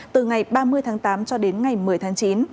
từ ngày ba mươi tháng tám cho đến ngày một mươi tháng chín